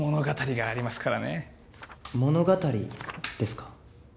物語ですか？